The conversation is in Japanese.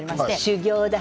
修行だ